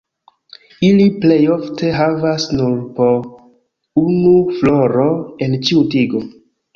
Ili plej ofte havas nur po unu floro en ĉiu tigo.